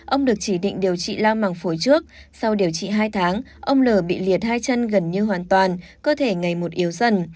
ông được chỉ định điều trị la màng phổi trước sau điều trị hai tháng ông l bị liệt hai chân gần như hoàn toàn cơ thể ngày một yếu dần